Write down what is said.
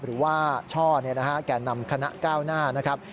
หรือว่าช่อแก่นำคณะก้าวหน้านะครับ